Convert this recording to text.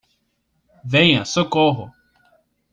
Venha Socorro.